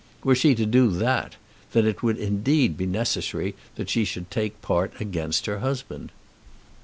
Were she to do that, then it would indeed be necessary that she should take part against her husband.